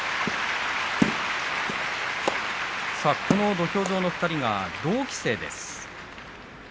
土俵上の２人、同期生です。